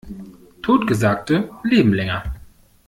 Totgesagte leben länger.